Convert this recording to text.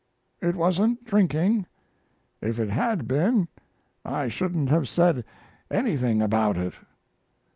It wasn't drinking. If it had been I shouldn't have said anything about it.